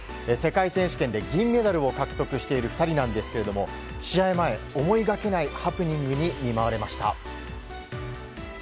世界選手権で銀メダルを獲得している２人ですが試合前、思いがけないハプニングに見舞われました。